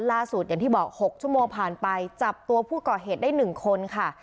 ล่าสุดอย่างที่บอกหกชั่วโมงผ่านไปจับตัวผู้ก่อเหตุได้หนึ่งคนค่ะ